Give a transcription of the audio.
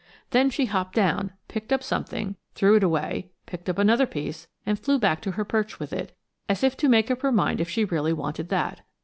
Then she hopped down, picked up something, threw it away, picked up another piece and flew back to her perch with it, as if to make up her mind if she really wanted that.